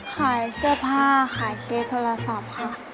ขายเสื้อผ้าขายเคสโทรศัพท์ค่ะ